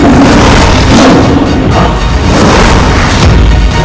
untuk membela negeri ini